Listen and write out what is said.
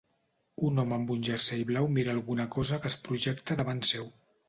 Un home amb un jersei blau mira alguna cosa que es projecta davant seu.